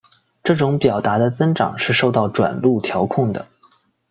这种表达的增长是受到转录调控的。